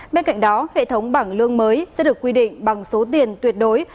bên cạnh đó hệ thống bảng lương mới sẽ được quy định bằng số tiền tuyệt đối